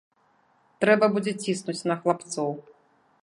Трэба будзе ціснуць на хлапцоў.